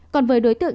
còn với đối tượng